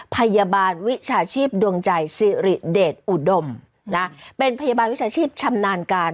พยาบาลวิชาชีพดวงใจสิริเดชอุดมนะเป็นพยาบาลวิชาชีพชำนาญการ